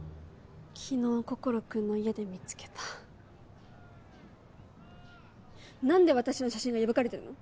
昨日心君の家で見つけた何で私の写真が破かれてるの？